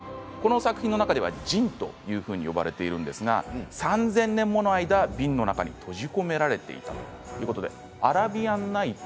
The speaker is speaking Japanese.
もう１人の登場人物が魔人この作品の中ではジンと呼ばれているんですが３０００年もの間、瓶の中に閉じ込められていたということで「アラビアン・ナイト」